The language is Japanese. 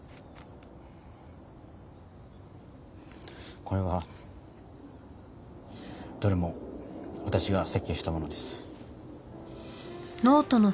これはどれも私が設計したものです。